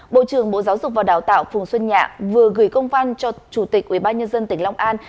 bộ trưởng bộ giáo dục và đào tạo phùng xuân nhạ vừa gửi công văn cho chủ tịch ubnd tỉnh long an